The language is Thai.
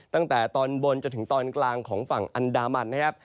ตั้งแต่ตอนบนจนถึงตอนกลางของฝั่งอันดามันนะครับ